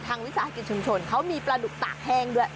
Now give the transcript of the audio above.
วิสาหกิจชุมชนเขามีปลาดุกตากแห้งด้วย